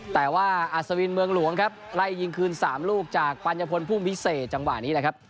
แต่ว่าอัศวินเมืองหลวงครับไล่ยิงคืน๓ลูกจากปัญพลภูมิพิเศษจังหวะนี้แหละครับ